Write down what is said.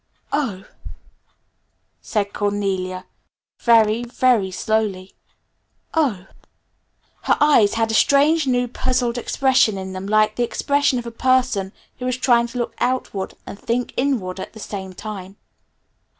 "O h," said Cornelia very, very slowly, "O h." Her eyes had a strange, new puzzled expression in them like the expression of a person who was trying to look outward and think inward at the same time.